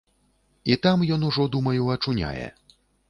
І там ён ужо, думаю, ачуняе!